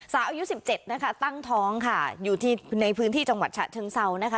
อายุ๑๗นะคะตั้งท้องค่ะอยู่ที่ในพื้นที่จังหวัดฉะเชิงเซานะคะ